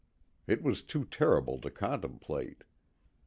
It was too terrible to contemplate.